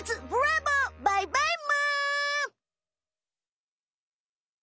バイバイむ！